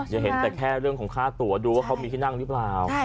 อย่าเห็นแต่แค่เรื่องของค่าตัวดูว่าเขามีที่นั่งหรือเปล่า